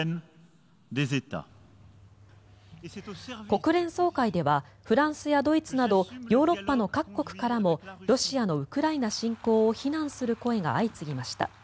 国連総会ではフランスやドイツなどヨーロッパの各国からもロシアのウクライナ侵攻を非難する声が相次ぎました。